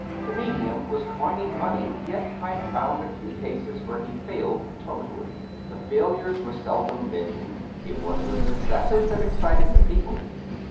The medium was coining money, yet I found a few cases where he failed totally. The failures were sel dom mentioned; it was the successes that excited the people.